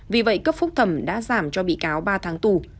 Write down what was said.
vì vậy cấp phúc thẩm đã giảm cho bị cáo ba tháng tù